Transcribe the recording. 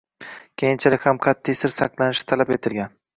keyinchalik ham qat’iy sir saqlanishi talab etilgan.